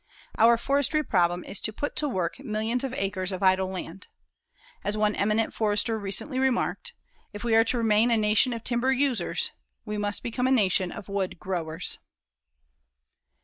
Our forestry problem is to put to work millions of acres of idle land. As one eminent forester recently remarked, "If we are to remain a nation of timber users, we must become a nation of wood growers."